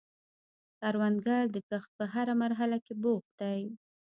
کروندګر د کښت په هره مرحله کې بوخت دی